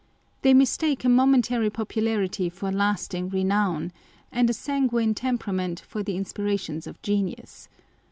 They mistake a momentary popularity for lasting renown, and a sanguine temperament for the inspirations of genius.